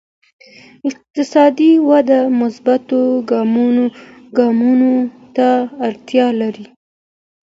اقتصادي وده مثبتو ګامونو ته اړتیا لري.